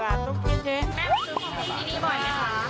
แม่มาซื้อของนี่ดีบ่อยไหมคะ